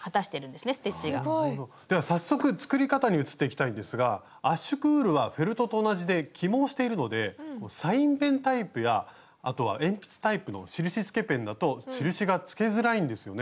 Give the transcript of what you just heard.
すごい！では早速作り方に移っていきたいんですが圧縮ウールはフェルトと同じで起毛しているのでサインペンタイプやあとは鉛筆タイプの印付けペンだと印が付けづらいんですよね？